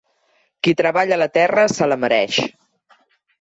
Qui treballa la terra se la mereix.